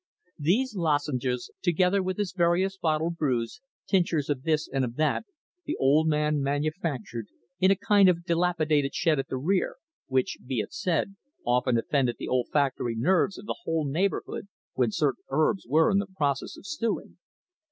These lozenges, together with his various bottled brews, tinctures of this and of that, the old man manufactured in a kind of dilapidated shed at the rear, which, be it said, often offended the olfactory nerves of the whole neighbourhood when certain herbs were in the process of stewing.